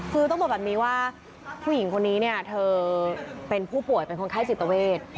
คือต้องบอกแบบนี้ว่าผู้หญิงคนนี้เนี่ยเธอเป็นผู้ป่วยเป็นคนไข้จิตเวท